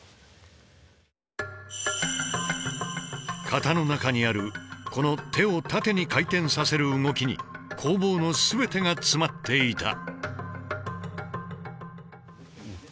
型の中にあるこの手を縦に回転させる動きに攻防の全てが詰まっていた。